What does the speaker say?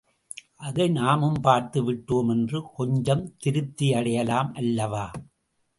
அதை நாமும் பார்த்து விட்டோம் என்று கொஞ்சம் திருப்தியடையலாம் அல்லவா?